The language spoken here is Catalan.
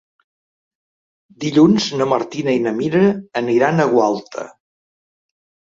Dilluns na Martina i na Mira aniran a Gualta.